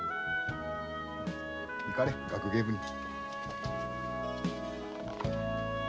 行かれ学芸部に。